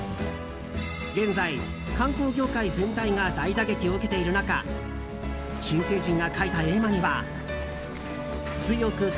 現在、観光業界全体が大打撃を受けている中新成人が書いた絵馬には強く！